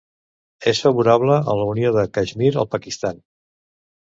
És favorable a la unió de Caixmir al Pakistan.